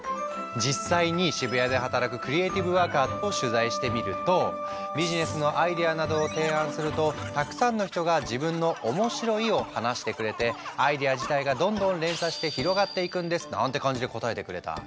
実際に渋谷で働くクリエイティブワーカーを取材してみると「ビジネスのアイデアなどを提案するとたくさんの人が自分の『面白い』を話してくれてアイデア自体がどんどん連鎖して広がっていくんです」なんて感じで答えてくれた。